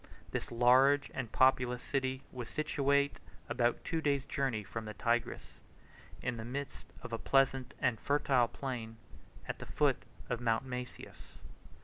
63 This large and populous city was situate about two days' journey from the Tigris, in the midst of a pleasant and fertile plain at the foot of Mount Masius.